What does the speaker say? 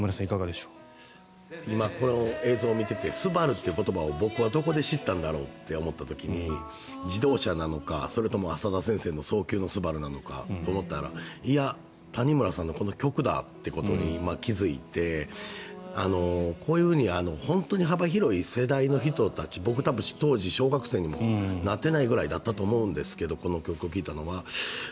今、映像見てて「スバル」っていう言葉を僕はどこで知ったんだろうと思った時に自動車なのかそれとも浅田先生の「蒼穹の昴」なのかと思ったらいや、谷村さんのこの曲だということに今気付いてこういうふうに本当に幅広い世代の人たち僕、当時、小学生にもなっていないくらいだったと思うんですけどこの曲を聴いたのは。